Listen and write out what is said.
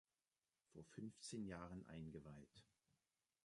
Vor fünfzehn Jahren eingeweiht.